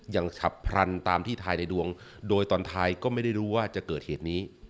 ฉับพลันตามที่ทายในดวงโดยตอนท้ายก็ไม่ได้รู้ว่าจะเกิดเหตุนี้